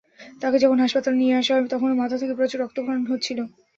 তাঁকে যখন হাসপাতালে নিয়ে আসা হয়, তখনো মাথা থেকে প্রচুর রক্তক্ষরণ হচ্ছিল।